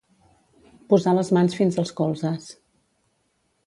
Posar les mans fins als colzes.